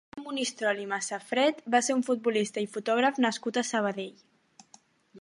Pere Monistrol i Masafret va ser un futbolista i fotògraf nascut a Sabadell.